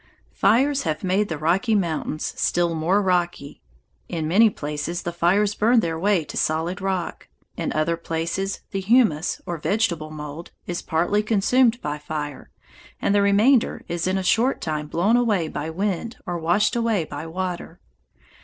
Fires have made the Rocky Mountains still more rocky. In many places the fires burn their way to solid rock. In other places the humus, or vegetable mould, is partly consumed by fire, and the remainder is in a short time blown away by wind or washed away by water.